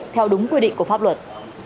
theo đúng quy định của pháp luật